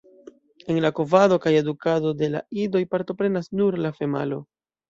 En la kovado kaj edukado de la idoj partoprenas nur la femalo.